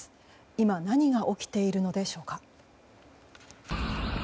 今、何が起きているのでしょうか。